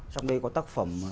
trong đây có tác phẩm